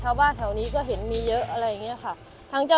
สวัสดีครับที่ได้รับความรักของคุณ